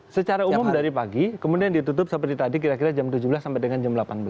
secara umum dari pagi kemudian ditutup seperti tadi kira kira jam tujuh belas sampai dengan jam delapan belas